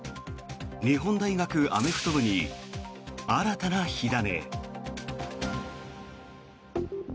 日本大学アメフト部に新たな火種。